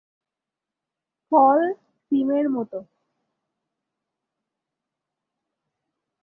ফল শিমের মতো।